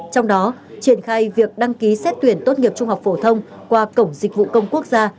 trong đó triển khai việc đăng ký xét tuyển tốt nghiệp trung học phổ thông qua cổng dịch vụ công quốc gia